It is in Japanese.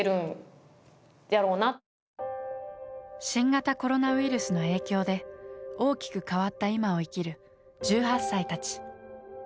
新型コロナウイルスの影響で大きく変わった今を生きる１８歳たち。